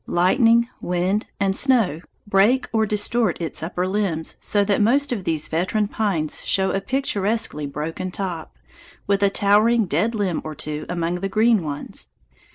Lightning, wind, and snow break or distort its upper limbs so that most of these veteran pines show a picturesquely broken top, with a towering dead limb or two among the green ones.